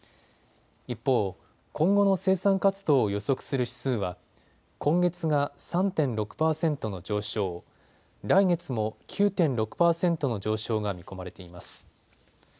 一方、今後の生産活動を予測する指数は今月が３．６％の上昇、来月も９．６％の上昇が見込まれています。